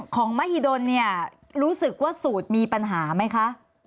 ของมหิดลรู้สึกว่าสูตรมีปัญหาไหมคะ